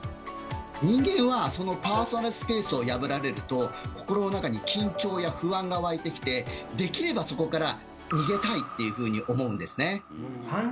人間はそのパーソナルスペースを破られると心の中に緊張や不安がわいてきてできればそこから逃げたいっていうふうに思うんですね。